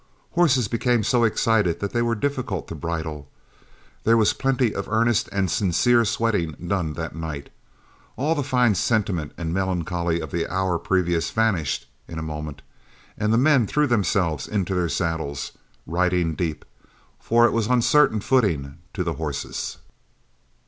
Horses became so excited they were difficult to bridle. There was plenty of earnest and sincere swearing done that night. All the fine sentiment and melancholy of the hour previous vanished in a moment, as the men threw themselves into their saddles, riding deep, for it was uncertain footing to horses.